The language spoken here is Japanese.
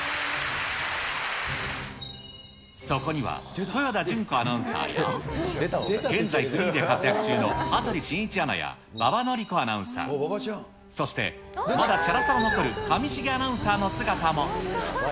そこには、豊田順子アナウンサーや、現在フリーで活躍中の羽鳥慎一アナや馬場典子アナウンサー、そしてまだチャラさの残る上重アナウンサーの姿も。